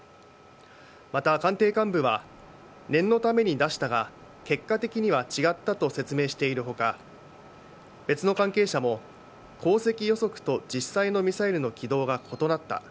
また、官邸幹部は念のために出したが結果的には違ったと説明している他別の関係者も、航跡予測と実際のミサイルの軌道が異なった。